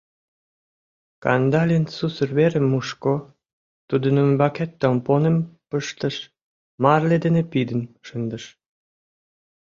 Кандалин сусыр верым мушко, тудын ӱмбаке тампоным пыштыш, марле дене пидын шындыш.